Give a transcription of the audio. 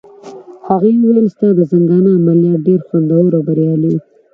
هغې وویل: ستا د زنګانه عملیات ډېر خوندور او بریالي وو.